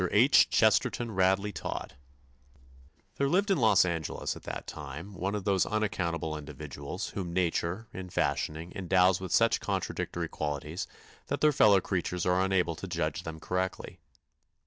H. CHESTERTON RADLEY TODD There lived in Los Angeles at that time one of those unaccountable individuals whom nature, in fashioning, endows with such contradictory qualities that their fellow creatures are unable to judge them correctly.